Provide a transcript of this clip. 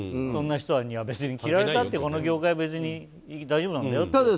そんな人には嫌われたって、この業界は別に大丈夫なんだよって。